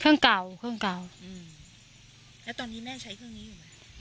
เครื่องเก่าเครื่องเก่าอืมแล้วตอนนี้แม่ใช้เครื่องนี้อยู่ไหม